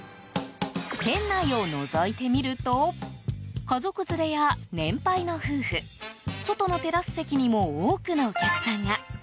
店内をのぞいてみると家族連れや年配の夫婦外のテラス席にも多くのお客さんが。